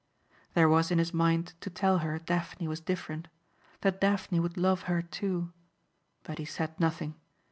There was in his mind to tell her Daphne was different. That Daphne would love her too, but he said nothing.